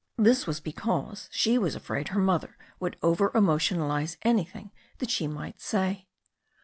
This was because she was afraid her mother would over emotionalize anything that she might say.